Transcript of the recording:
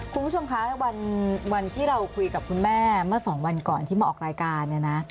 คุณผู้ชมคะวันที่เราคุยกับคุณแม่เมื่อสองวันก่อนที่มาออกรายการเนี่ยนะ